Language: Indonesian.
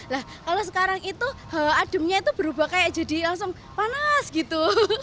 nah kalau sekarang itu ademnya itu berubah kayak jadi langsung panas gitu